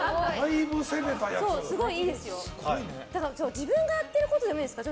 自分がやってることでもいいですか？